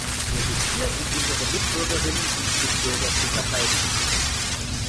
Wir sind hier, um unsere Mitbürgerinnen und Mitbürger zu verteidigen.